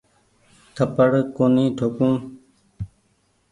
ٿپڙ ڪونيٚ ٺوڪون ۔